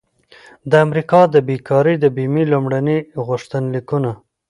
د امریکا د بیکارۍ د بیمې لومړني غوښتنلیکونه